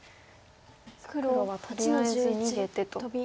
黒はとりあえず逃げてと。